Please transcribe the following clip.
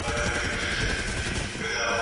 موړ د وږي په حال څه خبر دئ؟